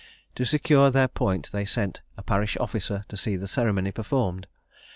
To secure their point they sent a parish officer to see the ceremony performed.